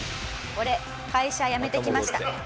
「俺会社辞めてきました」。